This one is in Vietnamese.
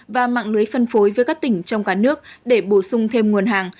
và mạng lưới phân phối với các tỉnh trong cả nước để bổ sung thêm nguồn hàng